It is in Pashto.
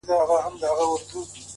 اوس به څوك راويښوي زاړه نكلونه؛